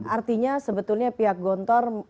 artinya sebetulnya pihak gontor